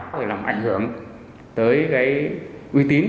để làm ảnh hưởng tới cái uy tín